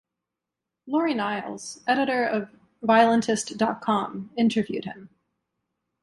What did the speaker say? Laurie Niles, editor of Violentist dot com, interviewed him.